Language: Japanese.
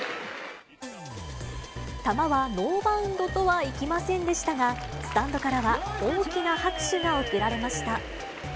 球はノーバウンドとはいきませんでしたが、スタンドからは大きな拍手が送られました。